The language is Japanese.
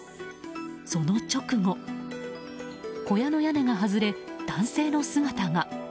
その直後小屋の屋根が外れ、男性の姿が。